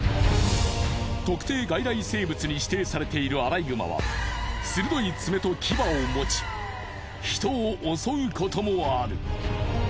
特定外来生物に指定されているアライグマは鋭い爪と牙を持ち人を襲うこともある。